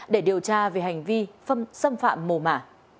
để điều tra về hành vi xâm phạm mồ mả